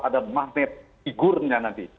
ada magnet figurnya nanti